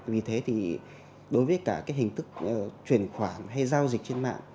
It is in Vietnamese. vì thế đối với cả hình thức chuyển khoản hay giao dịch trên mạng